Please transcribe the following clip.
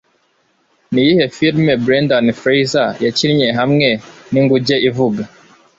Niyihe firime Brendan Fraiser yakinnye hamwe ninguge ivuga?